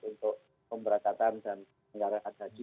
untuk pemberantatan dan mengarahkan haji